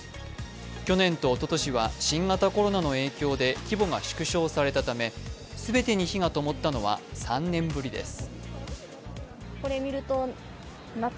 去年とおととしは新型コロナの影響で規模が縮小されたため全てに火がともったのは３年ぶりです。